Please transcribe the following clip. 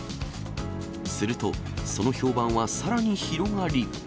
すると、その評判はさらに広がり。